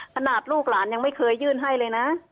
ลูกหลานยังไม่เคยยื่นให้เลยนะ